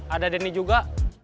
ada denny juga